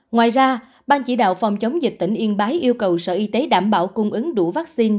ngoài ra ban chỉ đạo phòng chống dịch tỉnh yên bái yêu cầu sở y tế đảm bảo cung ứng đủ vaccine